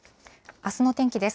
あすの天気です。